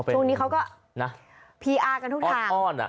ช่วงนี้เขาก็นะพีอาร์กันทุกทาง